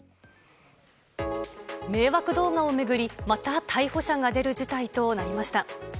迷惑動画を巡り、また逮捕者が出る事態となりました。